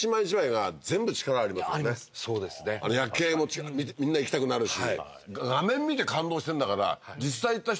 夜景もみんな行きたくなるし。